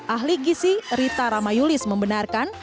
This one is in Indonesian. ahli gisi rita ramayulis membenarkan